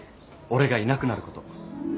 俺がいなくなること。